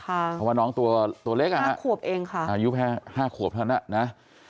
เพราะว่าน้องตัวเล็กนะครับอายุแพ้๕ขวบเท่านั้นนะ